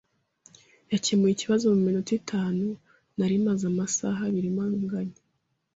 Yakemuye ikibazo muminota itanu nari maze amasaha abiri mpanganye.